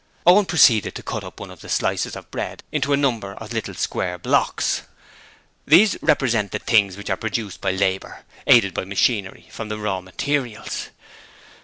Owen proceeded to cut up one of the slices of bread into a number of little square blocks. 'These represent the things which are produced by labour, aided by machinery, from the raw materials.